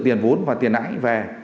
tiền vốn và tiền nãi về